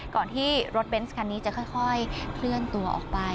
ก่อนที่รถเบนส์คันนี้จะค่อยเคลื่อนตัวออกไป